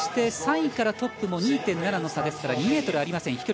３位からトップも２．７の差ですから２ｍありません。